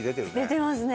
出てますね。